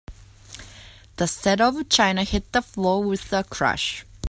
The set of china hit the floor with a crash.